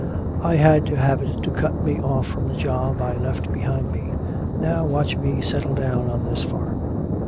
"I had to have it to cut me off from the job I left behind me. Now watch me settle down on this farm."